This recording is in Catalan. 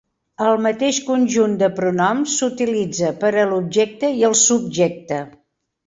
El mateix conjunt de pronoms s'utilitza per a l'objecte i el subjecte.